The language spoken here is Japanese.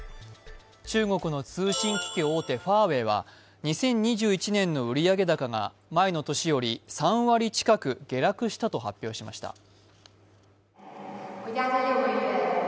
中国の通信機器大手、ファーウェイは２０２１年の売上高が前の年より３割近く下落したと発表しました。